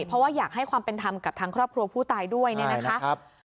เพราะว่าอยากให้ความเป็นธรรมกับทางครอบครัวผู้ตายด้วยเนี่ยนะคะ